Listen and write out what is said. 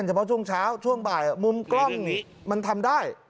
เฉพาะช่วงเช้าช่วงบ่ายมุมกล้องนี้มันทำได้